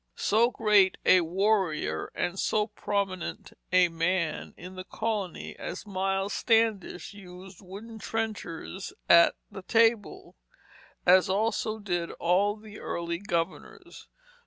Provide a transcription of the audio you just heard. So great a warrior and so prominent a man in the colony as Miles Standish used wooden trenchers at the table, as also did all the early governors.